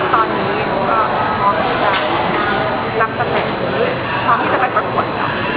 ตอนนี้ก็พร้อมจะรับตำแหน่งพร้อมที่จะไปประกวดกัน